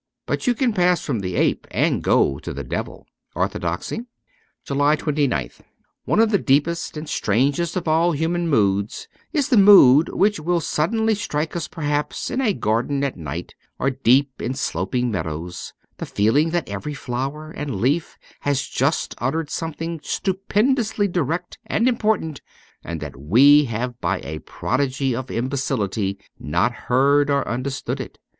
But you can pass from the ape and go to the devil. ' Orthodoxy.' 232 JULY 29th ONE of the deepest and strangest of all human moods is the mood which will suddenly strike us perhaps in a garden at night, or deep in sloping meadows, the feeling that every flower and leaf has just uttered something stupendously direct and important, and that we have by a prodigy of imbecility not heard or understood it.